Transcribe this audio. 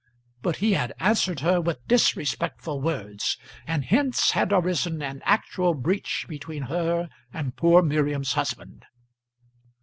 But he had answered her with disrespectful words; and hence had arisen an actual breach between her and poor Miriam's husband.